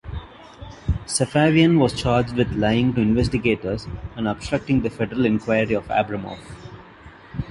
Safavian was charged with lying to investigators and obstructing the federal inquiry of Abramoff.